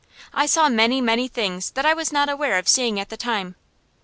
I saw many, many things that I was not aware of seeing at the time.